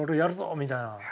みたいな。